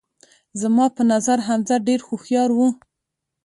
زما په نظر حمزه ډیر هوښیار وو